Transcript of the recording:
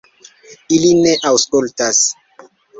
Ili ne aŭskultas.